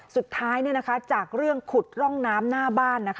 สุดท้ายจากเรื่องขุดร่องน้ำหน้าบ้าน